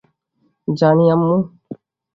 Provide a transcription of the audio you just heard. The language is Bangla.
জানি, আম্মু।